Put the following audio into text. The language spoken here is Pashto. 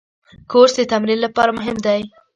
کورس د تمرین لپاره مهم دی.